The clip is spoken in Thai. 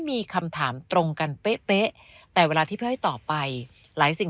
มีคำถามตรงกันเป๊ะแต่เวลาที่พี่อ้อยตอบไปหลายสิ่ง